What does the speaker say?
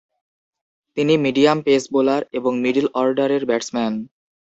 তিনি medium pace bowler এবং মিডল-অর্ডারের ব্যাটসম্যান।